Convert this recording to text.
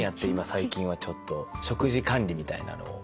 最近はちょっと食事管理みたいなのを。